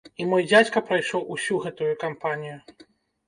І мой дзядзька прайшоў усю гэтую кампанію.